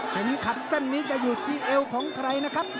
เข็มขัดเส้นนี้จะอยู่ที่เอวของใครนะครับ